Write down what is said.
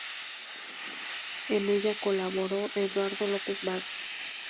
En ella colaboró Eduardo López Bago.